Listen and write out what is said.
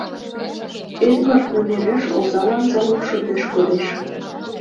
Эдвард номереш озалан залог шотеш кодеш.